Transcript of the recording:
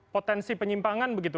potensi penyimpangan begitu